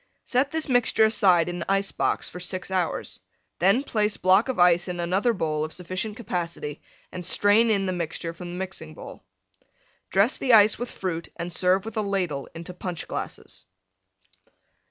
Set this mixture aside in ice box for 6 hours. Then place block of Ice in another bowl of sufficient capacity and strain in the mixture from the Mixing bowl. Dress the Ice with Fruit and serve with a Ladle into Punch glasses.